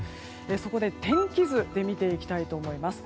そこで、天気図で見ていきたいと思います。